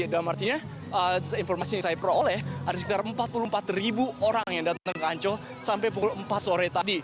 dalam artinya informasi yang saya peroleh ada sekitar empat puluh empat ribu orang yang datang ke ancol sampai pukul empat sore tadi